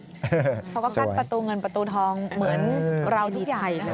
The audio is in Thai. เขาก็กัดประตูเงินประตูทองเหมือนราวทุกอย่างนะ